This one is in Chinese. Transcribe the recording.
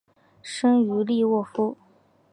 生于利沃夫。